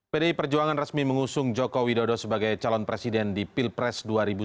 pdi perjuangan resmi mengusung joko widodo sebagai calon presiden di pilpres dua ribu sembilan belas